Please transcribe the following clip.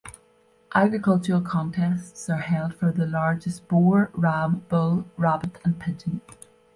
Agricultural contests are held for the largest boar, ram, bull, rabbit and pigeon.